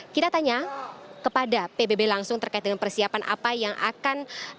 kita tanya kepada pbb langsung terkait dengan persiapan apa yang akan